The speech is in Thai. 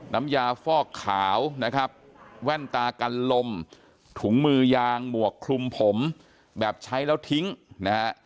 น้ำยาฟอกขาวนะครับแว่นตากันลมถุงมือยางหมวกคลุมผมแบบใช้แล้วทิ้งนะฮะ